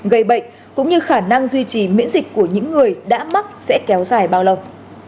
gây bệnh cũng như khả năng duy trì miễn dịch của những người đã mắc sẽ kéo dài bao lâu